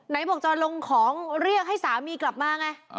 ไหนบอกจะลงของเรียกให้สามีกลับมาไง